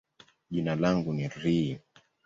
jina langu ni Reem.